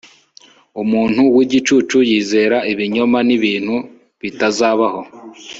umuntu w'igicucu yizera ibinyoma n'ibintu bitazabaho